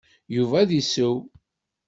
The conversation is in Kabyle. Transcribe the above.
Yuba ad d-issew.